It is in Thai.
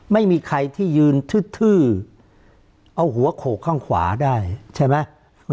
ไม่มีใครที่ยืนทืดเอาหัวโขกข้างขวาได้ใช่ไหม